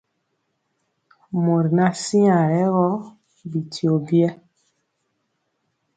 Mɔri ŋan siaŋg rɛ gɔ, bityio biɛɛ.